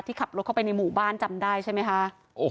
ขับรถเข้าไปในหมู่บ้านจำได้ใช่ไหมคะ